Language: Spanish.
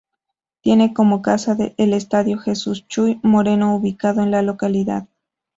Tienen como casa el estadio Jesús "Chuy" Moreno ubicado en la localidad.